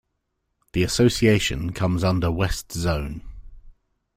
The association comes under west zone.